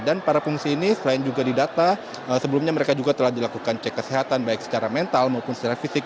dan para pengungsi ini selain juga di data sebelumnya mereka juga telah dilakukan cek kesehatan baik secara mental maupun secara fisik